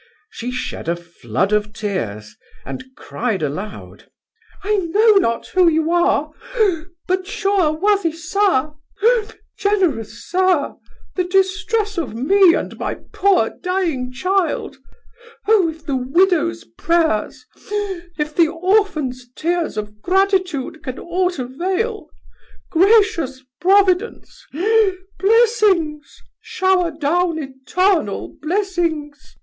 She shed a flood of tears, and cried aloud, 'I know not who you are: but, sure worthy sir generous sir! the distress of me and my poor dying child Oh! if the widow's prayers if the orphan's tears of gratitude can ought avail gracious Providence Blessings! shower down eternal blessings.